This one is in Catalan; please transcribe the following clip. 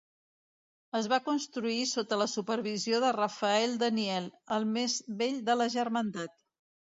Es va construir sota la supervisió de Raffaele Daniele, el més vell de la germandat.